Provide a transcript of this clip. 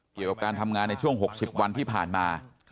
เกี่ยวกับการทำงานในช่วง๖๐วันที่ผ่านมา